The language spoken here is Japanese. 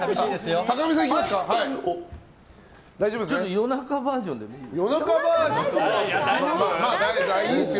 夜中バージョンでいいですか。